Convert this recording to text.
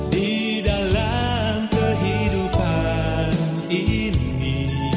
di dalam kehidupan ini